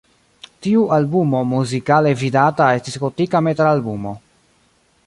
Tiu albumo muzikale vidata estis gotika metalalbumo.